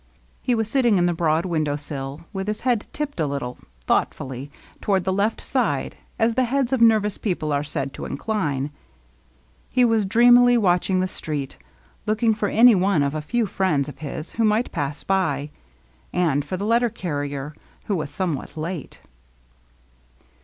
He was sitting in the broad window sill, with his head tipped a little, thoughtfully, towards the left side, as the heads of nervous people are said to incline. He was dreamily watching the street, looking for any one of a few friends of his who might pass by, and for the letter carrier, who was somewhat late.